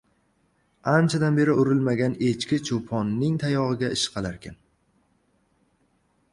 • Anchadan beri urilmagan echki cho‘poning tayog‘iga ishqalarkan.